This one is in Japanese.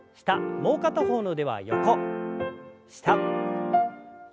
もう片方の腕は横下横。